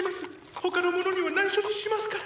他の者には内緒にしますから！